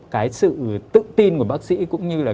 cái sự tự tin của bác sĩ cũng như là